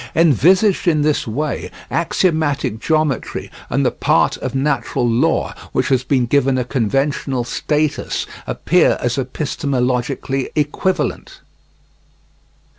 Envisaged in this way, axiomatic geometry and the part of natural law which has been given a conventional status appear as epistemologically equivalent.